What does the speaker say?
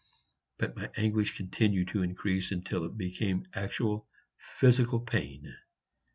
But my anguish continued to increase until it became actual physical pain.